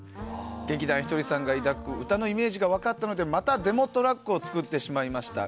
劇団ひとりさんが抱く歌のイメージが分かったのでまたデモトラックを作ってしまいました。